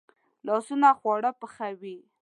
لاسونه خواړه پخوي